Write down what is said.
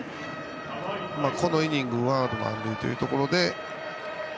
このイニングは満塁というところで。